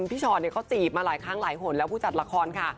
ชอตเขาจีบมาหลายครั้งหลายหนแล้วผู้จัดละครค่ะ